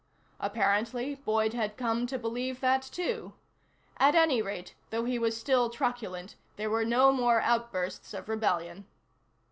Apparently Boyd had come to believe that, too. At any rate, though he was still truculent, there were no more outbursts of rebellion.